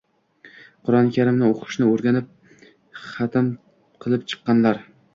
Qur’oni karimni o‘qishni o‘rganib, xatm qilib chiqqanlar.